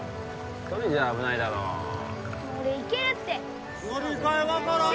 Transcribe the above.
１人じゃ危ないだろう俺行けるって乗り換え分からん